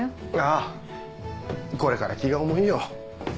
ああこれから気が重いよ。